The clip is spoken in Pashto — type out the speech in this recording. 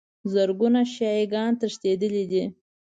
زرګونو شیعه ګان تښتېدلي دي.